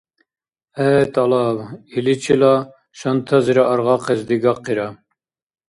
ГӀе, тӀалаб... Иличила шантазира аргъахъес дигахъира.